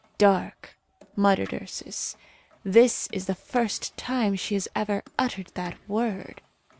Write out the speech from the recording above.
"Dark!" muttered Ursus. "This is the first time she has ever uttered that word!"